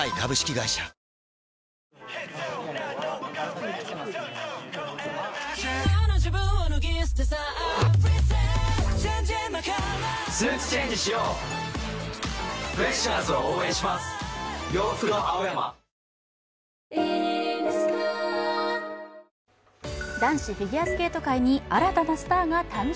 東京海上日動男子フィギュアスケート界に新たなスターが誕生。